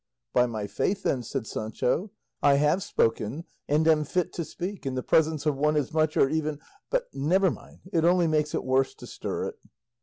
"By my faith then," said Sancho, "I have spoken, and am fit to speak, in the presence of one as much, or even but never mind it only makes it worse to stir it."